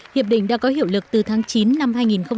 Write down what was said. hiệp định đã có hiệu lực từ tháng chín năm hai nghìn một mươi tám